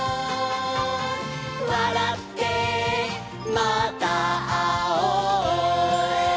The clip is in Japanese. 「わらってまたあおう」